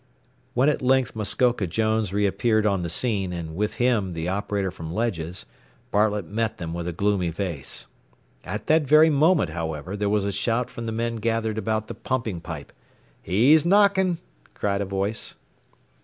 When at length Muskoka Jones reappeared on the scene, and with him the operator from Ledges, Bartlett met them with a gloomy face. At that very moment, however, there was a shout from the men gathered about the pumping pipe. "He's knocking!" cried a voice.